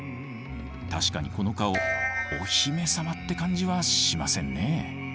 確かにこの顔お姫様って感じはしませんね。